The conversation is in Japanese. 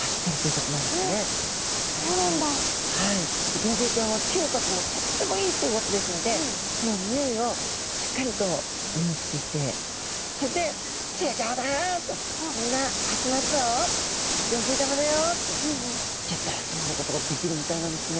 ギョンズイちゃんは嗅覚もとってもいいということですのでそのにおいをしっかりと認識してそれで「集合だ」と「みんな集まるぞ」と「ギョンズイ玉だよ」ってギュッと集まることができるみたいなんですね。